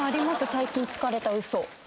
最近つかれたウソ。